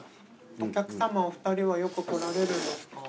お客さまお二人はよく来られるんですか？